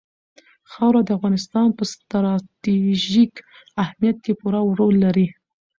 خاوره د افغانستان په ستراتیژیک اهمیت کې پوره رول لري.